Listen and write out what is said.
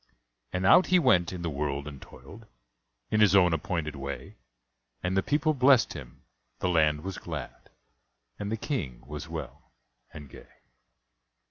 And out he went in the world and toiled In his own appointed way; And the people blessed him, the land was glad, And the King was well and gay.